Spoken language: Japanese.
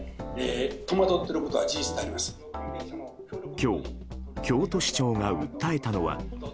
今日、京都市長が訴えたのは。